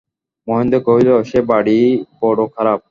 মহেন্দ্র কহিল, সে বাড়ি বড়ো খারাপ।